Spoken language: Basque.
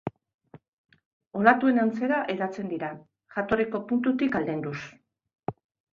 Olatuen antzera hedatzen dira, jatorriko puntutik aldenduz.